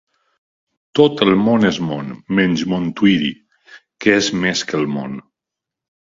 Tot el món és món, menys Montuïri, que és més que el món.